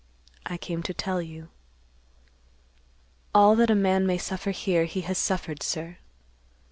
I came to tell you. All that a man may suffer here, he has suffered, sir.